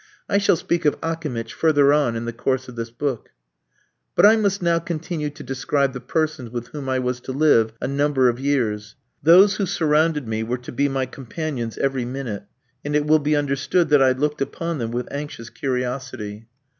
I shall speak of Akimitch further on in the course of this book. But I must now continue to describe the persons with whom I was to live a number of years. Those who surrounded me were to be my companions every minute, and it will be understood that I looked upon them with anxious curiosity.